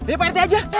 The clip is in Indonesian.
iya pak rt aja